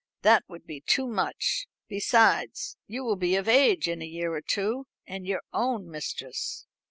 That would be too much. Besides, you will be of age in a year or two, and your own mistress."